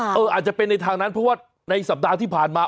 อาจจะเป็นในทางนั้นเพราะว่าในสัปดาห์ที่ผ่านมา